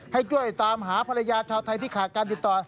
ให้ช่วยตามหาภรรยาชาวไทยที่ขาดการติดต่อ